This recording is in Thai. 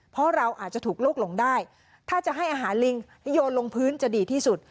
เพราะเราอาจจะถูกลูกหลงได้ถ้าจะให้อาหารลิงให้โยนลงพื้นจะดีที่สุด